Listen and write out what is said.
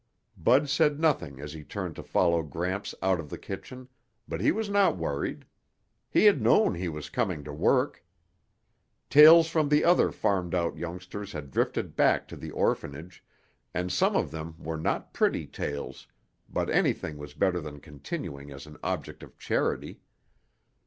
Bud said nothing as he turned to follow Gramps out of the kitchen, but he was not worried. He had known he was coming to work. Tales from other farmed out youngsters had drifted back to the orphanage and some of them were not pretty tales, but anything was better than continuing as an object of charity.